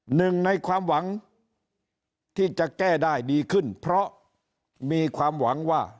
หนึ่งในความหวังที่จะแก้ได้ดีขึ้นเพราะมีความหวังว่า